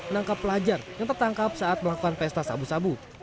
menangkap pelajar yang tertangkap saat melakukan pesta sabu sabu